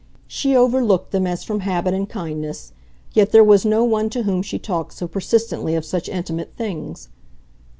She overlooked them as from habit and kindness; yet there was no one to whom she talked so persistently of such intimate things.